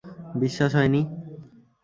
বিশ্বাস হয় নি?